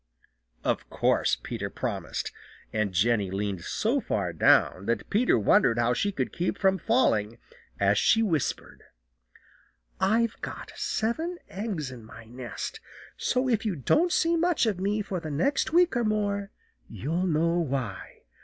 Of course Peter promised, and Jenny leaned so far down that Peter wondered how she could keep from falling as she whispered, "I've got seven eggs in my nest, so if you don't see much of me for the next week or more, you'll know why.